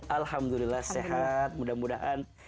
alhamdulillah sehat mudah mudahan